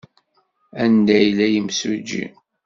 Anda yella yimsujji?